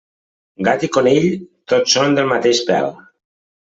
Gat i conill, tots són del mateix pèl.